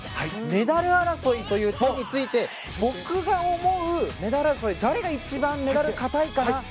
メダル争いという点について僕が思うメダル争い誰が一番メダル堅いかな。